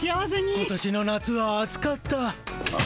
今年の夏は暑かった。